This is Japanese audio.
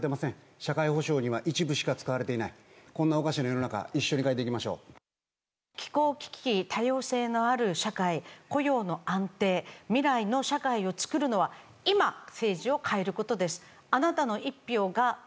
社会保障には一部しか使われていない、こんなおかしな世の中、気候危機、多様性のある社会、雇用の安定、未来の社会をつくるのは、今、政治を変えることです。